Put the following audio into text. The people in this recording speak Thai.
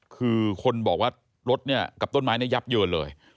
คือคนบอกว่ารถเนี่ยกับต้นไม้เนี่ยยับเยินเลย